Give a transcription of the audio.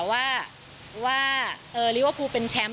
ว่าว่าหรือว่าภูมิเป็นแชมป์